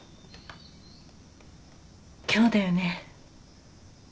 今日だよね。